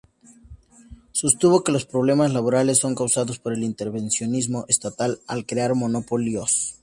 Sostuvo que los problemas laborales son causados por el intervencionismo estatal al crear monopolios.